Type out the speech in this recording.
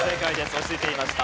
落ち着いていました。